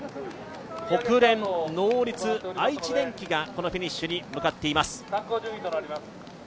ホクレン、ノーリツ、愛知電機がこのフィニッシュに向かっています。